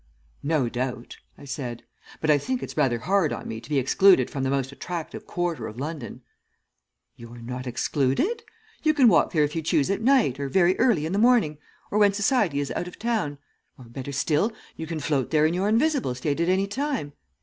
"'No doubt,' I said, 'but I think it's rather hard on me to be excluded from the most attractive quarter of London.' "'You are not excluded. You can walk there if you choose at night or very early in the morning, or when Society is out of town, or, better still, you can float there in your invisible state at anytime.